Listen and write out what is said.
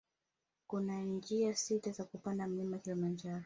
Kuna njia sita za kupanda mlima kilimanjaro